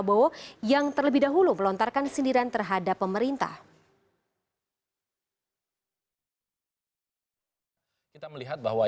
bukan politik politik yang mendebarkan ketakutan